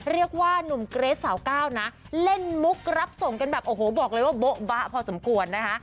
หนุ่มเกรทสาวก้าวนะเล่นมุกรับส่งกันแบบโอ้โหบอกเลยว่าโบ๊ะบะพอสมควรนะคะ